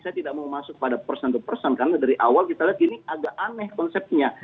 saya tidak mau masuk pada person person karena dari awal kita lihat ini agak aneh konsepnya